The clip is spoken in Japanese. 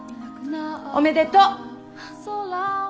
おめでとう。